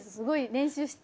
練習して。